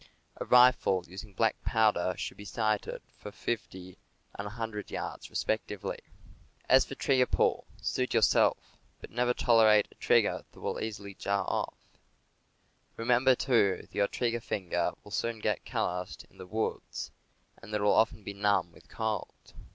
A rifle using black powder should be sighted for 50 and 100 yards, respectively. Jjf As for trigger pull, suit yourself; but never tolerate a trigger that will easily jar off. Remember, too, that your trigger finger will soon get calloused in the woods, and that it will often be numb with cold.